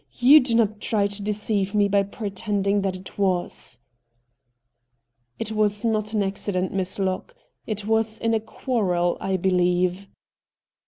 You do not try to deceive me by pretending that it was.' ' It was not an accident. Miss Locke. It was in a quarrel, I beheve.'